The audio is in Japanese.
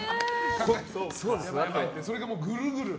それがぐるぐると。